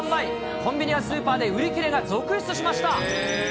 コンビニやスーパーで売り切れが続出しました。